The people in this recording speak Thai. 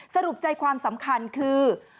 สรุปใจความสำคัญคือ